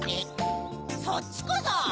そっちこそ！